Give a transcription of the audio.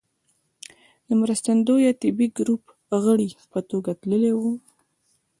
د مرستندويه طبي ګروپ غړي په توګه تللی و.